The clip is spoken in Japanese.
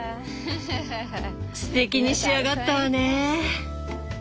すてきに仕上がったわね！